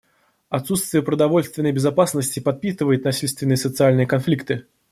Отсутствие продовольственной безопасности подпитывает насильственные социальные конфликты.